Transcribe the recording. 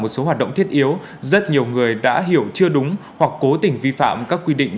một số hoạt động thiết yếu rất nhiều người đã hiểu chưa đúng hoặc cố tình vi phạm các quy định